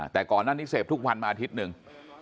แต่ก่อนหน้านี้เสพทุกวันมาอาทิตย์หนึ่ง